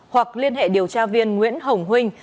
hoặc liên hệ điều tra viên nguyễn hồng huynh